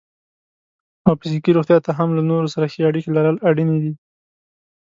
او فزیکي روغتیا ته هم له نورو سره ښې اړیکې لرل اړینې دي.